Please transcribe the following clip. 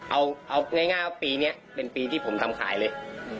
เอาง่ายว่าปีนี้เป็นปีที่ผมทำขายเลย